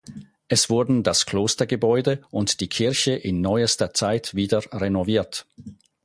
Es wurden das Klostergebäude und die Kirche in neuester Zeit wieder renoviert.